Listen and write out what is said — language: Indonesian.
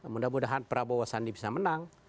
mudah mudahan prabowo sandi bisa menang